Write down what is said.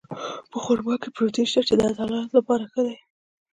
په خرما کې پروټین شته، چې د عضلاتو لپاره ښه دي.